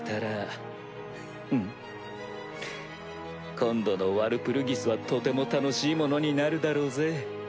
今度のワルプルギスはとても楽しいものになるだろうぜ。